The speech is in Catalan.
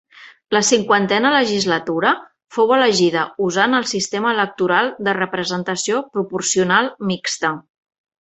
La cinquantena legislatura fou elegida usant el sistema electoral de representació proporcional mixta.